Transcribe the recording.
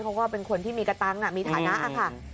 เขาก็เป็นคนที่มีกระตังค์มีฐานะค่ะ